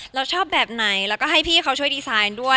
เราชอบแบบไหนแล้วก็ให้พี่เขาช่วยดีไซน์ด้วย